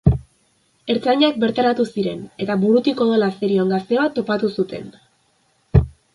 Ertzainak bertaratu ziren eta burutik odola zerion gazte bat topatu zuten.